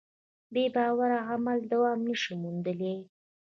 بېباوره عمل دوام نهشي موندلی.